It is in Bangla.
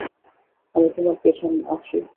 আমি তোমার পেছনে আছি!